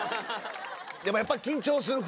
でもやっぱ緊張する？